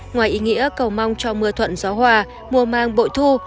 ngoài ý nghĩa cầu mong cho mưa thuận gió hòa mùa mang bội thu